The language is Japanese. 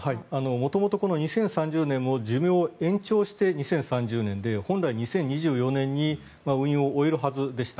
元々、この２０３０年も寿命を延長して２０３０年で本来は２０２４年に運用を終えるはずでした。